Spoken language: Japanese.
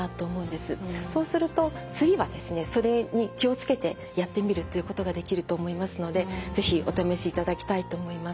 そうすると次はですねそれに気を付けてやってみるということができると思いますので是非お試しいただきたいと思います。